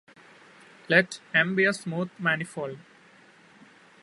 Let "M" be a smooth manifold.